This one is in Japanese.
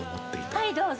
はいどうぞ。